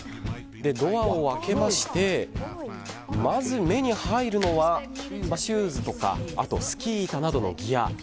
ドアを開けましてまず目に入るのはシューズとかスキー板などのギア。